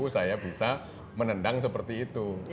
saya bisa menendang seperti itu